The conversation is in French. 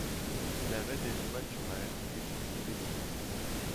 Il avait des dons naturels et beaucoup de métier.